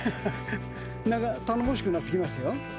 頼もしくなってきましたよ。